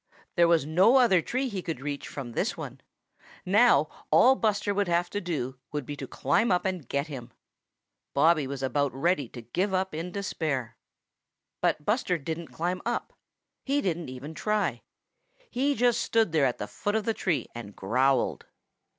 There was no other tree he could reach from this one. Now all Buster would have to do would be to climb up and get him. Bobby was about ready to give up in despair. But Buster didn't climb up. He didn't even try. He just stood there at the foot of the tree and growled.